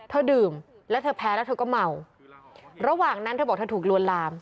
ดื่มแล้วเธอแพ้แล้วเธอก็เมาระหว่างนั้นเธอบอกเธอถูกลวนลาม